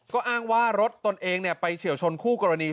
ก็อ้างว่ารถตนเองไปเฉียวชนคู่กรณี